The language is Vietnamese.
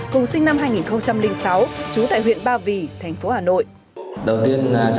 cùng sinh năm hai nghìn sáu trú tại huyện ba vì thành phố hà nội